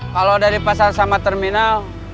kalau dari pasar sama terminal